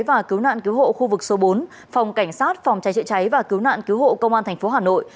và cứu nạn cứu hộ khu vực số bốn phòng cảnh sát phòng cháy chữa cháy và cứu nạn cứu hộ công an tp hà nội